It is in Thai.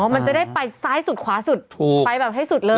มันจะได้ไปซ้ายสุดขวาสุดไปแบบให้สุดเลย